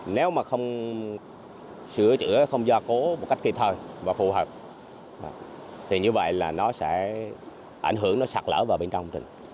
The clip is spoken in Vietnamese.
nếu mà không sửa chữa không do cố một cách kịp thời và phù hợp thì như vậy là nó sẽ ảnh hưởng nó sặt lỡ vào bên trong